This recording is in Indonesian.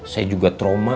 saya juga trauma